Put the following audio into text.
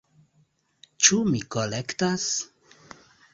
Ĉu mi korektas?